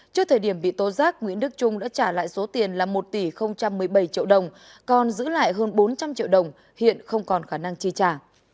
trước thời điểm bị tố giác nguyễn đức trung đã trả lại số tiền là một tỷ một mươi bảy triệu đồng còn giữ lại hơn bốn trăm linh triệu đồng hiện không còn khả năng chi trả